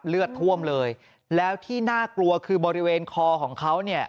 เลือดท่วมเลยแล้วที่น่ากลัวคือบริเวณคอของเขาเนี่ย